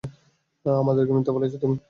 আমাদেরকে মিথ্যে বলেছো তুমি?